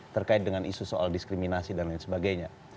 terkait dengan isu soal diskriminasi dan lain sebagainya